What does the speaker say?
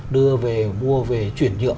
đưa về mua về chuyển dự